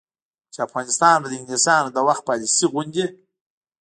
چې افغانستان به د انګلیسانو د وخت پالیسي غوندې،